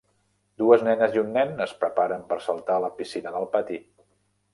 Dues nenes i un nen es preparen per saltar a la piscina del pati.